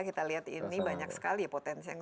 kita lihat ini banyak sekali ya potensi yang